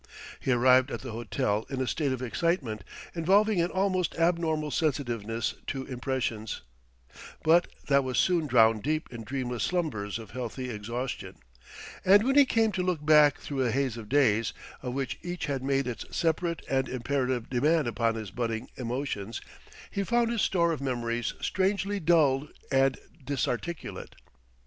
He arrived at the hotel in a state of excitement involving an almost abnormal sensitiveness to impressions; but that was soon drowned deep in dreamless slumbers of healthy exhaustion; and when he came to look back through a haze of days, of which each had made its separate and imperative demand upon his budding emotions, he found his store of memories strangely dulled and disarticulate.